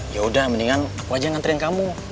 yaudah mendingan aku aja nganterin kamu